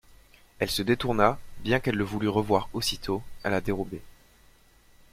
Elle se détourna, bien qu'elle le voulût revoir aussitôt, à la dérobée.